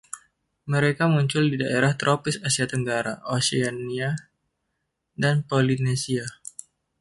Mereka muncul di daerah tropis Asia Tenggara, Oceania, dan Polynesia.